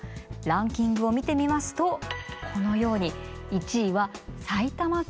ランキングを見てみますとこのように１位は埼玉県となりました。